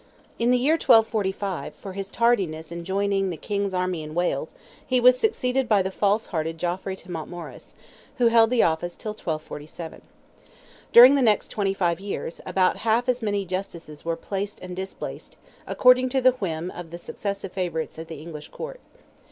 In the year 1245, for his tardiness in joining the King's army in Wales, he was succeeded by the false hearted Geoffrey de Mountmorres, who held the office till 1247. During the next twenty five years, about half as many Justices were placed and displaced, according to the whim of the successive favourites at the English Court.